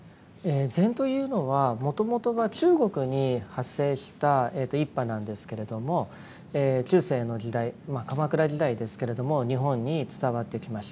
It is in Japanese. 禅というのはもともとは中国に発生した一派なんですけれども中世の時代鎌倉時代ですけれども日本に伝わってきました。